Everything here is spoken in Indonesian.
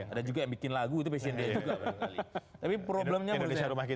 ada juga yang bikin lagu itu passion dia juga barangkali